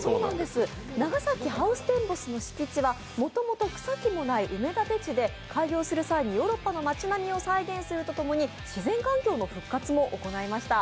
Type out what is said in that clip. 長崎ハウステンボスの敷地はもともと草木のない埋め立て地で開業する際にヨーロッパの町並みを再現するとともに自然環境の復活も行いました。